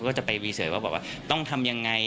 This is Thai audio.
เขาก็จะไปดูว่าต้องทำอย่างไร